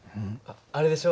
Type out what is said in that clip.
あれでしょ